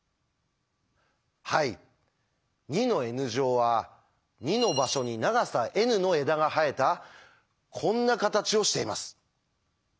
はい２のｎ乗は２の場所に長さｎの枝が生えたこんな形をしています。